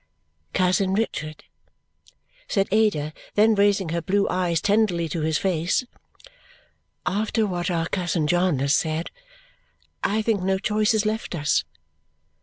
"Cousin Richard," said Ada then, raising her blue eyes tenderly to his face, "after what our cousin John has said, I think no choice is left us.